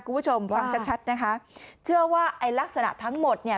คุณผู้ชมฟังชัดชัดนะคะเชื่อว่าไอ้ลักษณะทั้งหมดเนี่ย